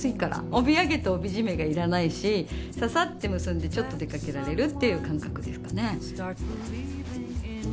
帯揚げと帯締めが要らないしささって結んでちょっと出かけられるという感覚ですかね。